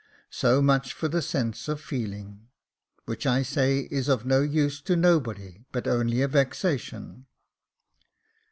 So much for the sense of feeling, which I say is of no use to nobody, but only a vexation."